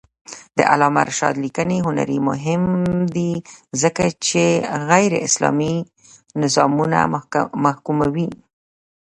د علامه رشاد لیکنی هنر مهم دی ځکه چې غیراسلامي نظامونه محکوموي.